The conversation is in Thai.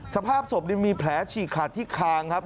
สภาพศพมีแผลฉีกขาดที่คางครับ